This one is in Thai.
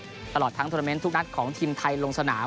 ตลอดทั้งโทรเมนต์ทุกนัดของทีมไทยลงสนาม